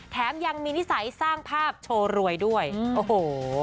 แถมยังมีนิสัยสร้างภาพโชว์รวยด้วยโอ้โห